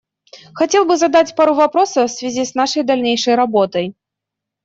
Хотел бы задать пару вопросов в связи с нашей дальнейшей работой.